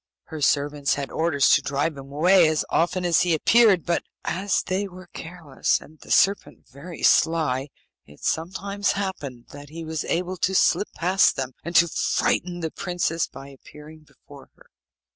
Her servants had orders to drive him away as often as he appeared; but as they were careless, and the serpent very sly, it sometimes happened that he was able to slip past them, and to frighten the princess by appearing before her.